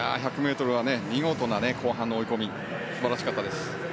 １００ｍは見事な後半の追い込み素晴らしかったです。